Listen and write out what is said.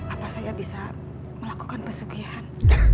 apakah ya bisa melakukan pesugihan